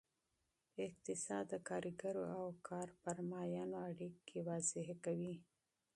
اقتصاد د کارګرو او کارفرمایانو اړیکې تشریح کوي.